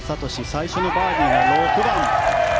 最初のバーディーは６番。